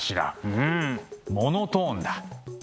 うんモノトーンだ。